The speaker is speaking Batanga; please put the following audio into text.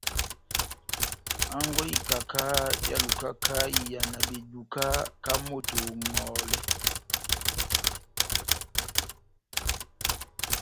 Hangwɛ y'ikaka ehálukaka iyàna beduka ká moto oŋòhòlɛ.